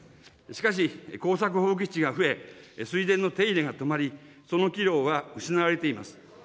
しかし、耕作放棄地が増え、水田の手入れが止まり、その機能は失われています。